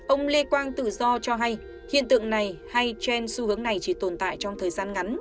ông lê quang tự do cho hay hiện tượng này hay trên xu hướng này chỉ tồn tại trong thời gian ngắn